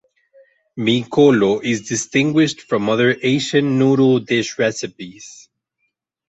Mee kolo is distinguished from other Asian noodle dish recipes.